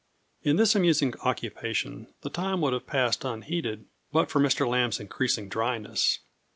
In this amusing occupation the time would have passed unheeded but for Mr. Lambe's increasing dryness.